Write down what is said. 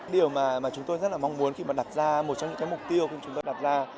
điều mà chúng tôi rất là mong muốn khi mà đặt ra một trong những cái mục tiêu chúng tôi đặt ra